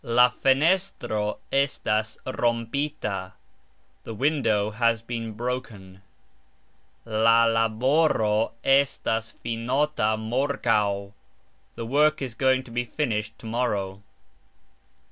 "La fenestro estas rompita", The window has been broken. "La laboro estas finota morgaux", The work is going to be finished to morrow.